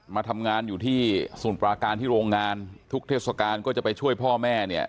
มาทำงานอยู่ที่สมุทรปราการที่โรงงานทุกเทศกาลก็จะไปช่วยพ่อแม่เนี่ย